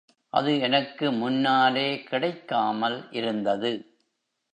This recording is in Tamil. அது எனக்கு முன்னாலே கிடைக்காமல் இருந்தது.